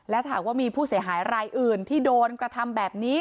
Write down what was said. และหากว่ามีผู้เสียหายรายอื่นที่โดนกระทำแบบนี้